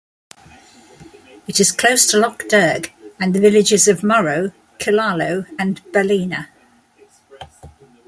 It is close to Lough Derg and the villages of Murroe, Killaloe and Ballina.